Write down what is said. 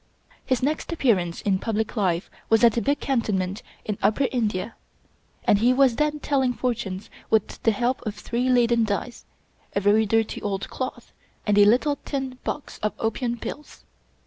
His next appearance in public life was at a big canton ment in Upper India, and he was then telling fortunes with the help of three leaden dice, a very dirty old cloth, and a little tin box of opium pills.